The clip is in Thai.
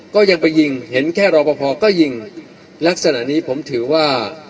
ก็ยังไปยิงเห็นแค่รอปภก็ยิงลักษณะนี้ผมถือว่า